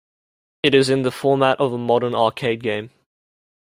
It is in the format of a modern arcade game.